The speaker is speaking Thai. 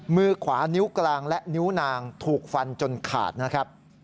มือขวานิ้วกลางและนิ้วนางถูกฟันจนขาดนะครับ